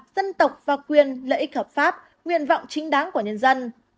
dân tộc và quyền lợi ích hợp pháp nguyện vọng chính đáng của nhân dân